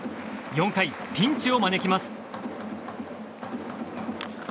４回、ピンチを招きます。